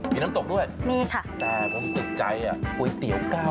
มีน้ำตกด้วยมีค่ะ